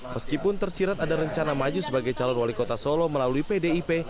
meskipun tersirat ada rencana maju sebagai calon wali kota solo melalui pdip